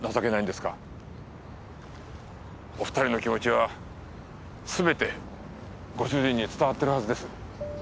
お二人の気持ちは全てご主人に伝わってるはずです。